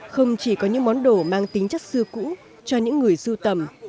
không chỉ có những món đồ mang tính chất xưa cũ cho những người sưu tầm